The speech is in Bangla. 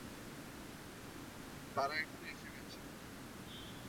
তারা এখানে এসে গেছে।